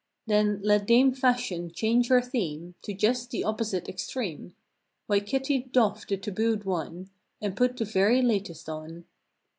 Then, let Dame Fashion change her theme To just the opposite extreme— Why Kitty'd doff the tabooed one And put the "very latest" on.